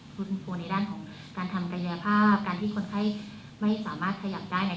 คุณกลัวในด้านของการทำกายภาพการที่คนไข้ไม่สามารถขยับได้เนี่ย